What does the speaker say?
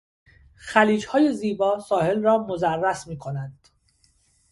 خلیجهای زیبا ساحل را مضرس میکنند.